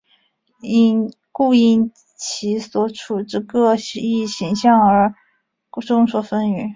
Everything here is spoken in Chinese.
故因其所处之各异形象而众说纷纭。